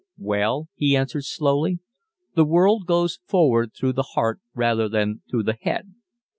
"Well," he answered slowly, "the world goes forward through the heart rather than through the head.